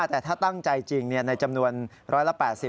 แต่ถ้าตั้งใจจริงในจำนวน๑๘๐